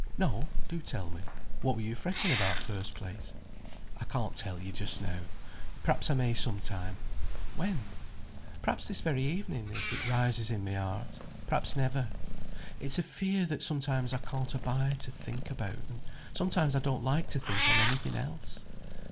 "No; do tell me. What were you fretting about, first place?" "I can't tell you just now; perhaps I may sometime." "When?" "Perhaps this very evening, if it rises in my heart; perhaps never. It's a fear that sometimes I can't abide to think about, and sometimes I don't like to think on any thing else.